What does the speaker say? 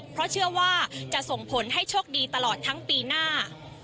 เพราะเชื่อว่าจะส่งผลให้โชคดีตลอดทั้งปีหน้า